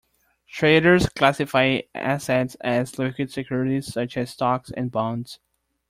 Traders classify assets as liquid securities such as stocks and bonds.